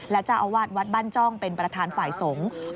และเจ้าอาวาสวัดบ้านจ้องเป็นประธานฝ่ายสงฆ์